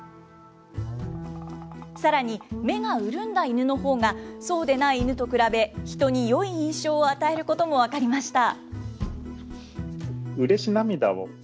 さらに、目が潤んだイヌの方が、そうでないイヌと比べ、ヒトによい印象を与えることも分かりました。